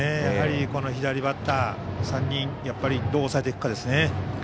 やはり左バッター３人やっぱりどう抑えていくかですね。